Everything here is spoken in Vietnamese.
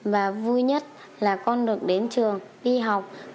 và vui nhất là con được đến trường y học